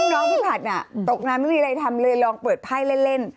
น้องพี่ผัดน่ะตกงานไม่มีอะไรทำเลยลองเปิดไพ่เล่น